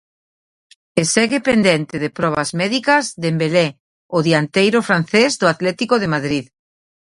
E segue pendente de probas médicas Dembelé, o dianteiro francés do Atlético de Madrid.